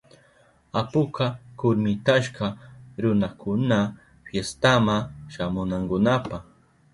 Apuka kurmitashka runakuna fiestama shamunankunapa.